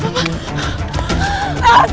kamu tidak dapat